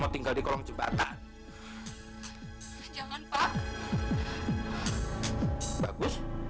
saya nggak pemben facilitasi